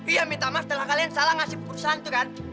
iya minta maaf setelah kalian salah ngasih perusahaan tuh kan